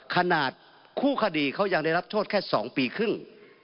ขนาดคู่คดีเขายังได้รับโทษแค่๒ปีครึ่ง